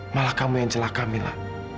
malah kamu yang celaka mila